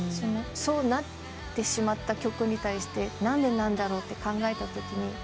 そうなってしまった曲に対して何でなんだろうと考えたときに。